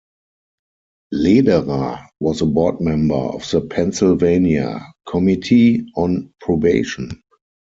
Lederer was a board member of the Pennsylvania Committee on Probation.